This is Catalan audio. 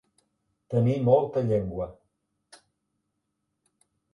Tenir molta llengua.